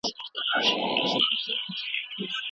که چیرې سوله وي نو خلک به په آرامۍ ژوند وکړي.